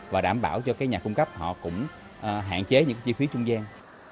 và đảm bảo cho cái nhà cung cấp họ cũng hạn chế những chi phí trung gian